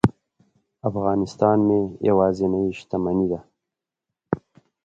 افغانستان مې یوازینۍ شتمني وه.